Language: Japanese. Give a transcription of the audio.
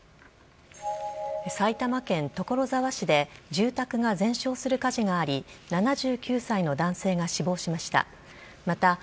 埼玉県所沢市で住宅が全焼する火事があり、７９歳の男性が死亡しました。